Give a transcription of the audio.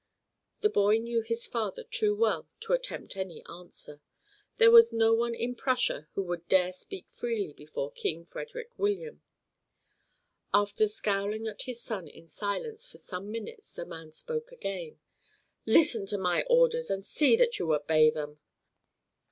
The boy knew his father too well to attempt any answer; there was no one in Prussia who would dare speak freely before King Frederick William. After scowling at his son in silence for some minutes the man spoke again. "Listen to my orders and see that you obey them.